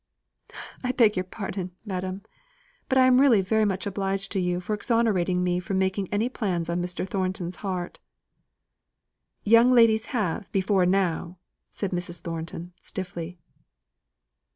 "I beg your pardon, madam. But I really am very much obliged to you for exonerating me from making any plans on Mr. Thornton's heart." "Young ladies have, before now," said Mrs. Thornton, stiffly.